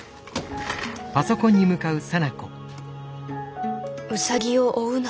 心の声ウサギを追うな。